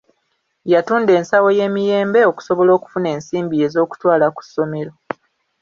Yatunda ensawo y’emiyembe okusobola okufuna ensimbi ez’okutwala ku ssomero.